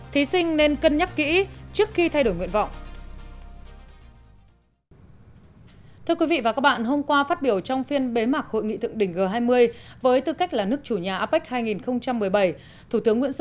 thí sinh nên cân nhắc kỹ trước khi thay đổi nguyện vọng